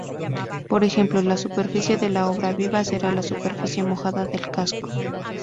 Por ejemplo, la superficie de la obra viva será la superficie mojada del casco.